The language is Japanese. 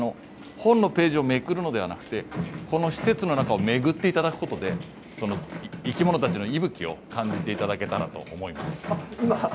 本のページをめくるのではなくて、この施設の中を巡っていただくことで、生き物たちの息吹を感じていただけたらと思います。